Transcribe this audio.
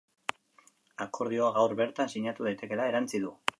Akordioa gaur bertan sinatu daitekeela erantsi du.